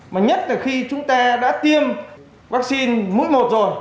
mà nhất là khi chúng ta đã tiêm vaccine mũi một rồi